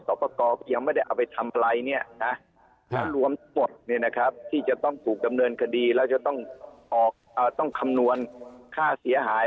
ประกอบยังไม่ได้เอาไปทำอะไรเนี่ยนะแล้วรวมหมดที่จะต้องถูกดำเนินคดีแล้วจะต้องคำนวณค่าเสียหาย